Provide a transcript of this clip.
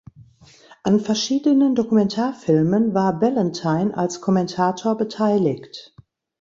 An verschiedenen Dokumentarfilmen war Ballantyne als Kommentator beteiligt.